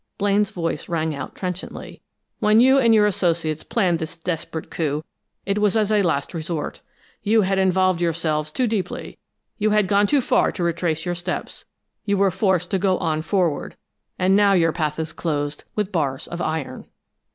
Blaine's voice rang out trenchantly. "When you and your associates planned this desperate coup, it was as a last resort. You had involved yourselves too deeply; you had gone too far to retrace your steps. You were forced to go on forward and now your path is closed with bars of iron!"